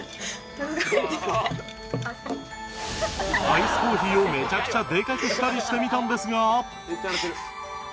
アイスコーヒーをめちゃくちゃでかくしたりしてみたんですが